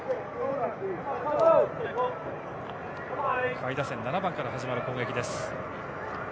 下位打線７番から始まる攻撃です。